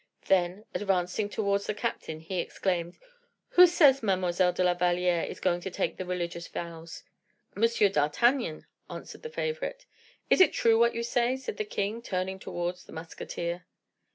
Then, advancing towards the captain, he exclaimed: "Who says Mademoiselle de la Valliere is going to take the religious vows?" "M. d'Artagnan," answered the favorite. "Is it true what you say?" said the king, turning towards the musketeer.